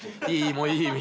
もういいよ。